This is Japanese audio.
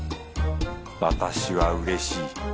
私はうれしい。